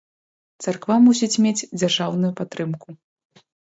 Царква мусіць мець дзяржаўную падтрымку.